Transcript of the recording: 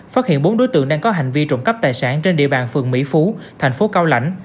phát hiện bốn đối tượng đang có hành vi trộm cắp tài sản trên địa bàn phường mỹ phú thành phố cao lãnh